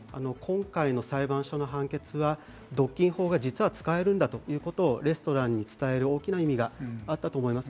今回の裁判所の判決は、独禁法が実は使えるんだということをレストランに伝える大きな意味があったと思います。